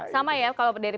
sama ya kalau dari